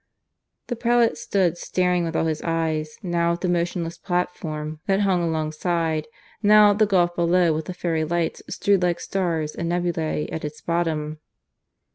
The prelate stood, staring with all his eyes; now at the motionless platform that hung alongside, now at the gulf below with the fairy lights strewed like stars and nebulae at its bottom.